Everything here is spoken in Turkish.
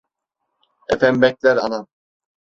Efem bekler anam.